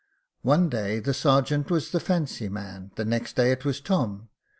One day the sergeant was the fancy man, and the next day it was Tom.